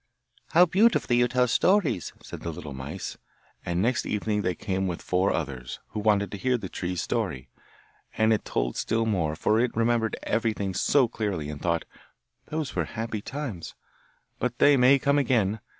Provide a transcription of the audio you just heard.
'How beautifully you tell stories!' said the little mice. And next evening they came with four others, who wanted to hear the tree's story, and it told still more, for it remembered everything so clearly and thought: 'Those were happy times! But they may come again.